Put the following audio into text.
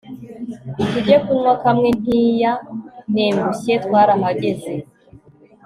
tujye kunywa kamwe ntiya ntengushye twarahageze